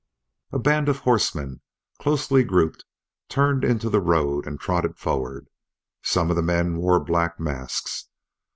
A band of horsemen closely grouped turned into the road and trotted forward. Some of the men wore black masks.